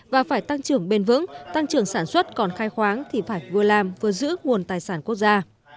và phải tăng trưởng bền vững tăng trưởng sản xuất còn khai khoáng thì phải vừa làm vừa giữ nguồn tài sản quốc gia